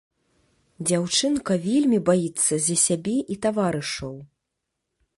Дзяўчынка вельмі баіцца за сябе і таварышаў.